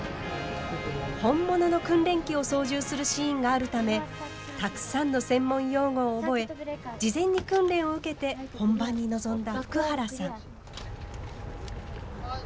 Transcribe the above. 本物の訓練機を操縦するシーンがあるためたくさんの専門用語を覚え事前に訓練を受けて本番に臨んだ福原さん。